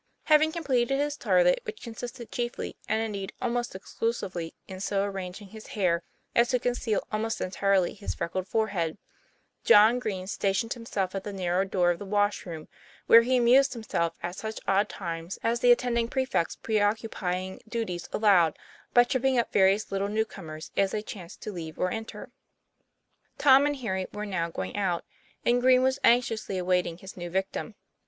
Having completed his toilet, which consisted chiefly, and indeed almost exclusively, in so arrang ing his hair as to conceal almost entirely his freckled forehead, John Green stationed himself at the narrow door of the wash room, where he amused himself, at such odd times as the attending prefect's preoccupy ing duties allowed, by tripping up various little new comers, as they chanced to leave or enter. Tom and Harry were now going out; and Green was anxiously awaiting his new victim.